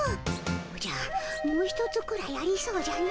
おじゃもうひとつくらいありそうじゃの。